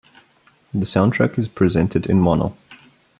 The soundtrack is presented in mono.